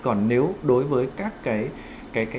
còn nếu đối với các cái